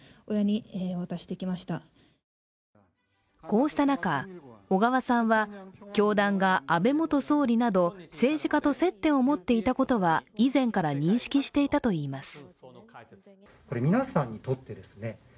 こうした中、小川さんは教団が安倍元総理など、政治家と接点を持っていたことは以前から認識していたといいます。